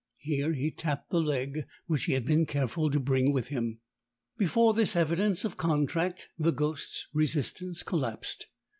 Here he tapped the leg, which he had been careful to bring with him. Before this evidence of contract the ghosts' resistance collapsed.